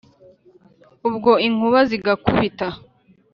Ubwo inkuba zigakubita